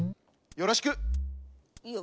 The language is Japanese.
よろしく。